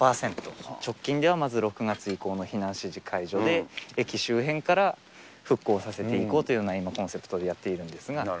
直近ではまず６月以降の避難指示解除で、駅周辺から復興させていこうというような、今、コンセプトでやっているんですが。